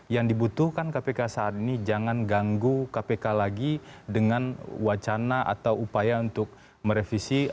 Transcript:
yang dibutuhkan kpk saat ini jangan ganggu kpk lagi dengan wacana atau upaya untuk merevisi